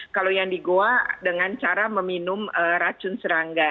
kalau yang di goa dengan cara meminum racun serangga